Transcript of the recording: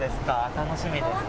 楽しみですか？